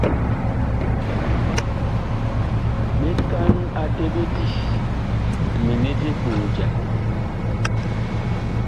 Ɓetan a teɓeli mini di puh jam.